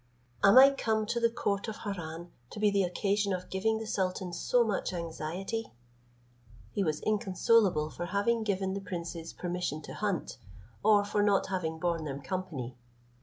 Am I come to the court of Harran to be the occasion of giving the sultan so much anxiety?" He was inconsolable for having given the princes permission to hunt, or for not having borne them company.